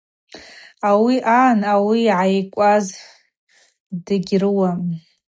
Ауи агӏан ауи йгӏайкваз дыгьрыуам.